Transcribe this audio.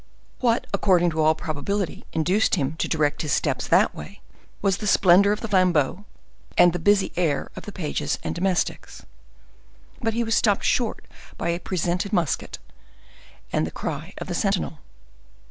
What, according to all probability, induced him to direct his steps that way, was the splendor of the flambeaux, and the busy air of the pages and domestics. But he was stopped short by a presented musket and the cry of the sentinel.